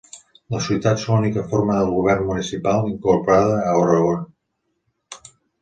Les ciutats són l'única forma de govern municipal incorporada a Oregon.